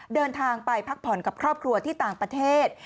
เดินทางไปพักผ่อนกับครอบครัวที่ต่างประเทศ